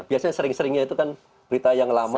biasanya sering seringnya itu kan berita yang lama